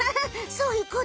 そういうこと。